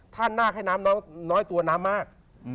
ถ้านาคให้น้ำน้องน้อยตัวน้ำมาก